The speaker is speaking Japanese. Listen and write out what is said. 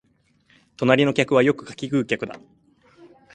隣の客はよくかき食う客だ